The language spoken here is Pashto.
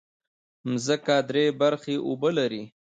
مځکه درې برخې اوبه لري.